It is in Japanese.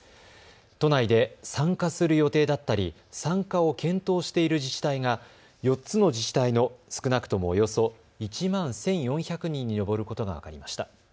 都内で参加する予定だったり参加を検討している自治体が４つの自治体の少なくともおよそ１万１４００人に上ることが分かりました。